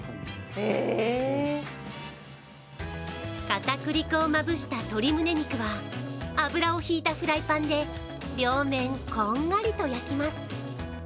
かたくり粉をまぶした鶏むね肉は油をひいたフライパンで両面こんがりと焼きます。